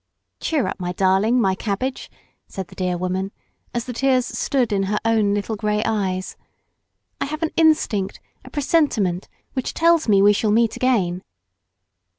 "Cheer up my darling, my cabbage," said the dear woman as the tears stood in her own little grey eyes. "I have an instinct, a presentiment, which tells me we shall meet again."